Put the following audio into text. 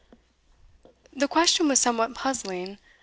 '" The question was somewhat puzzling.